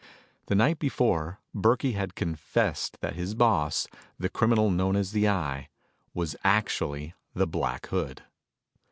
The night before, Burkey had confessed that his boss, the criminal known as the Eye, was actually the Black Hood.